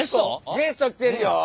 ゲスト来てるよ。